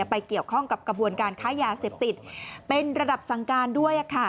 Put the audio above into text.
ไปเกี่ยวข้องกับกระบวนการค้ายาเสพติดเป็นระดับสั่งการด้วย